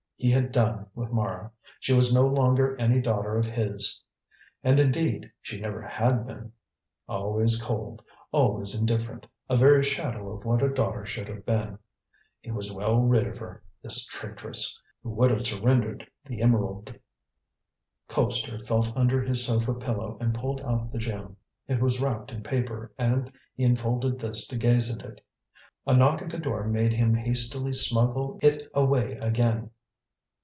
He had done with Mara: she was no longer any daughter of his. And, indeed, she never had been. Always cold: always indifferent: a very shadow of what a daughter should have been. He was well rid of her, this traitress, who would have surrendered the emerald. Colpster felt under his sofa pillow and pulled out the gem. It was wrapped in paper, and he unfolded this to gaze at it. A knock at the door made him hastily smuggle it away again.